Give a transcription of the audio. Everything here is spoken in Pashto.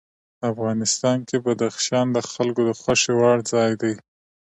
افغانستان کې بدخشان د خلکو د خوښې وړ ځای دی.